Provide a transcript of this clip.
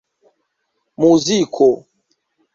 muziko